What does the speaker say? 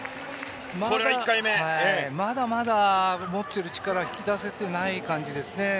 まだまだ持っている力、引き出せていない感じですね。